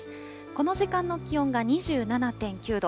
この時間の気温が２７．９度。